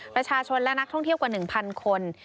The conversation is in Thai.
ประชาชนและนักท่องเที่ยวกว่า๑๐๐คน